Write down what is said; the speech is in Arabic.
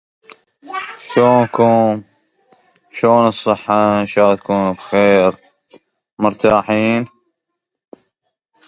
لِأَنَّ التَّبْذِيرَ اسْتِهْلَاكٌ فَكَانَ بِمَنْزِلَةِ مَا قَبْلَ التَّبْذِيرِ